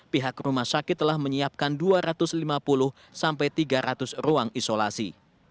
pihak rumah sakit telah menyiapkan dua ratus lima puluh sampai tiga ratus ruang isolasi